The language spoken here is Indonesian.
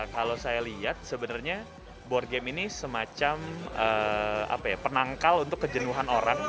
kalau saya lihat sebenarnya board game ini semacam penangkal untuk kejenuhan orang